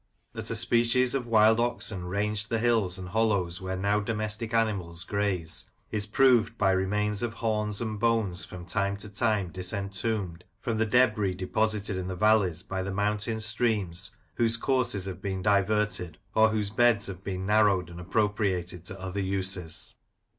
That a species of wild oxen ranged the hills and hollows where now domestic animals graze, is proved by remains of horns and bones from time to time disentombed from the dedris deposited in the valleys by the mountain streams whose courses have been diverted, or whose beds have been narrowed and appropriated to other uses.